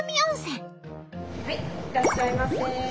いらっしゃいませ。